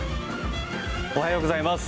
おはようございます。